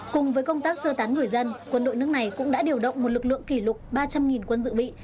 cùng với công tác sơ tán người dân quân đội nước này cũng đã điều động một lực lượng kỷ lục ba trăm linh quân dự bị